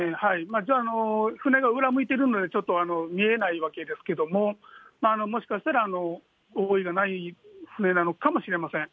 じゃあ、舟が裏向いているのでちょっと見えないわけですけれども、もしかしたら、覆いがない舟なのかもしれません。